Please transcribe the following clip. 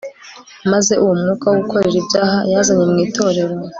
maze uwo mwuka wo gukora ibyaha yazanye mu itorero